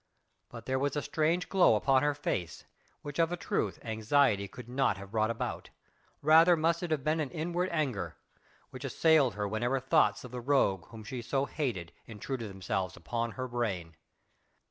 But there was a strange glow upon her face, which of a truth anxiety could not have brought about; rather must it have been inward anger, which assailed her whenever thoughts of the rogue whom she so hated intruded themselves upon her brain.